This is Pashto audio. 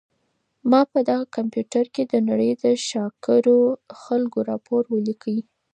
ما په دغه کمپیوټر کي د نړۍ د شاکرو خلکو راپور ولیکلی.